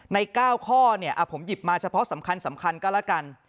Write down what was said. ใน๙ข้อเนี่ยผมหยิบมาเฉพาะสำคัญก็แล้วกัน